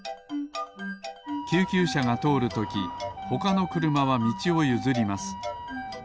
救急車がとおるときほかのくるまはみちをゆずります。